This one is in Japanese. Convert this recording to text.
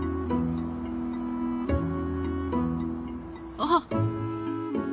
あっ！